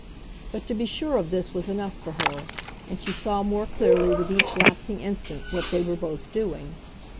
But to be sure of this was enough for her, and she saw more clearly with each lapsing instant what they were both doing.